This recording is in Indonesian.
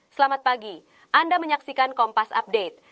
selamat pagi anda menyaksikan kompas update